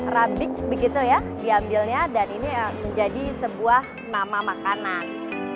rabik begitu ya diambilnya dan ini menjadi sebuah nama makanan